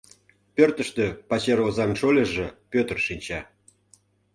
Пӧртыштӧ пачер озан шольыжо Пӧтыр шинча.